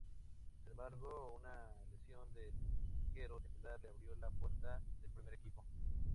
Sin embargo, una lesión del arquero titular le abrió la puerta del primer equipo.